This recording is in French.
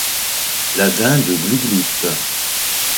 La dinde glougloute.